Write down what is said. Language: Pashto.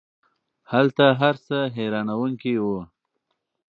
هلته هر څه حیرانوونکی وو.